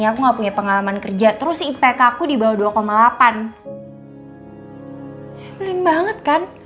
kamu masih habit